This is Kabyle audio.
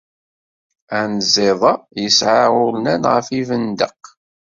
Anziḍ-a yesɛa urnan ɣer yibendeq.